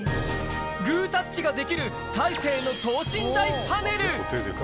グータッチができる大勢の等身大パネル。